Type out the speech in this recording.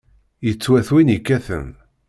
Yettwat win yekkaten.